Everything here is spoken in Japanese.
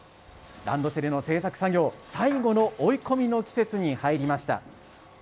ランドセルの製作作業、最後の追い込みの季節に入りました。